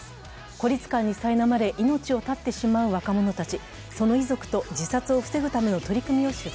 孤立感にさいなまれ、命を絶ってしまう若者たち。